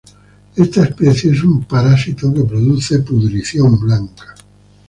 Esta especie es un parásito que produce pudrición blanca.